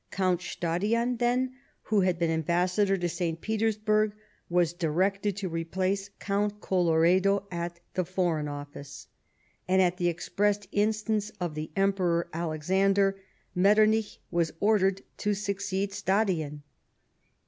Count Stadion, then, who had been ambassador at St. Petersburg, was directed to replace Count Colloredo at the Foreign Office ; •and, at the express instance of the Emperor Alexander, Metternich was ordered to succeed Stadion.